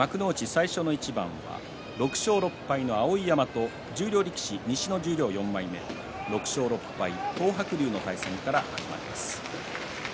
最初の一番は６勝６敗の碧山と十両力士、西の十両４枚目６勝６敗、東白龍の対戦から始まります。